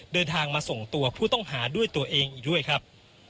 เดินทางมาส่งตัวผู้ต้องหาด้วยตัวเองอีกด้วยครับ